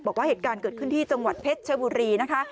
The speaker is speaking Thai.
บอกว่าเหตุการณ์เกิดขึ้นที่จังหวัดเพชรชบุรีนะคะ